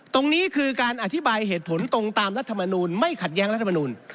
ตรงนี้คือการอธิบายเหตุผลตรงตามรัฐมนูลไม่ขัดแย้งรัฐมนูล